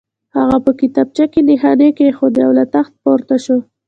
هغه په کتابچه کې نښاني کېښوده او له تخت پورته شو